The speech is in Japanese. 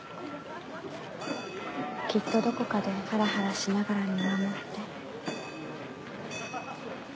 きっとどこかでハラハラしながら見守って。